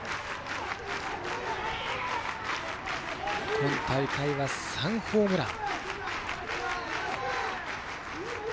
今大会は３ホームラン。